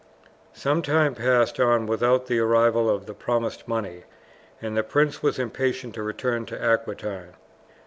Some time passed on without the arrival of the promised money, and the prince was impatient to return to Aquitaine.